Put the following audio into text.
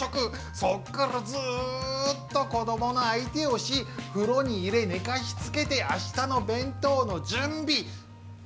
そこからずっと子どもの相手をし、風呂に入れ、寝かしつけてあしたの弁当の準備。